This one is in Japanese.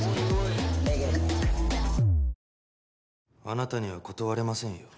あなたには断れませんよ。